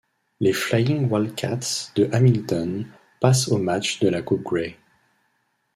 Les Flying Wildcats de Hamilton passent au match de la coupe Grey.